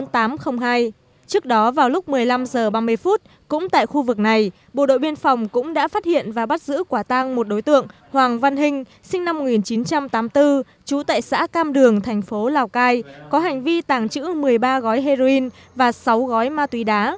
trước đó vào lúc một mươi năm h ba mươi cũng tại khu vực này bộ đội biên phòng cũng đã phát hiện và bắt giữ quả tăng một đối tượng hoàng văn hình sinh năm một nghìn chín trăm tám mươi bốn trú tại xã cam đường thành phố lào cai có hành vi tàng trữ một mươi ba gói heroin và sáu gói ma túy đá